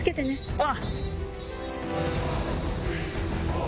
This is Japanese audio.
ああ。